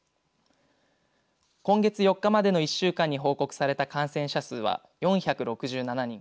今月８日までの１週間に報告された感染者数は４６７人